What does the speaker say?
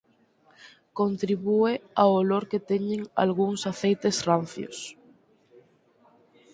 Contribúe ao olor que teñen algúns aceites rancios.